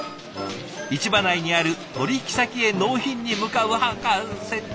市場内にある取引先へ納品に向かうハカセ。